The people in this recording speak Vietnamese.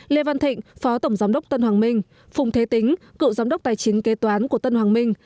lê văn thịnh phó tổng giám đốc tân hoàng minh phùng thế tính cựu giám đốc tài chính kế toán của tân hoàng minh